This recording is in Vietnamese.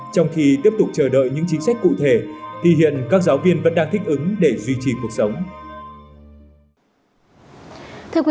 trong khi tiếp tục tìm kiếm nguồn thu